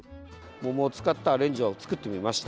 桃を使ったアレンジを作ってみました。